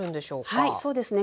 はいそうですね。